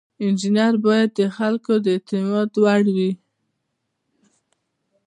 انجینر باید د خلکو د اعتماد وړ وي.